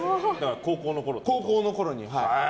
高校のころに。